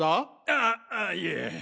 ああいえ。